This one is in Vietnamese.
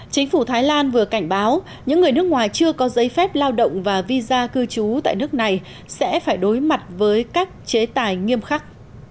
chính phủ thái lan vừa cảnh báo những người nước ngoài chưa có giấy phép lao động và visa cư trú tại nước này sẽ phải đối mặt với các chế tài nghiêm khắc